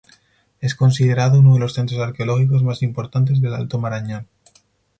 Es considerado uno de los centros arqueológicos más importante del Alto Marañón.